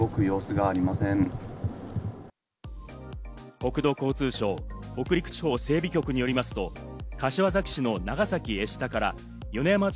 国土交通省北陸地方整備局によりますと、柏崎市の長崎江下から米山町